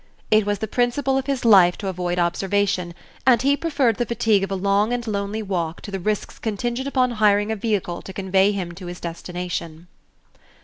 It was the principle of his life to avoid observation, and he preferred the fatigue of a long and lonely walk to the risks contingent upon hiring a vehicle to convey him to his destination.